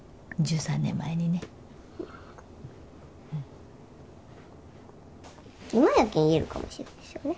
１３年前にねうん今やけん言えるかもしれんですよね